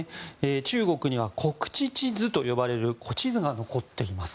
中国には国恥地図と呼ばれる古地図が残っています。